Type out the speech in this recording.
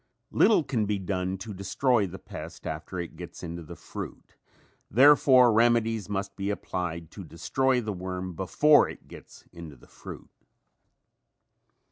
Little can be done to destroy the pest after it gets into the fruit, therefore remedies must be applied to destroy the worm before it gets into the fruit.